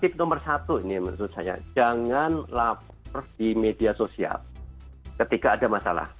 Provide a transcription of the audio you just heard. tips nomor satu ini menurut saya jangan lapor di media sosial ketika ada masalah